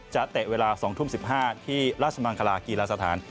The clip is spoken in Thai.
เตะเวลา๒ทุ่ม๑๕ที่ราชมังคลากีฬาสถาน